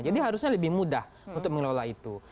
jadi harusnya lebih mudah untuk mengelola itu